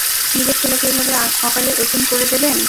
নিজের ছেলেকে এভাবে অকালে এতিম করে দেবেন?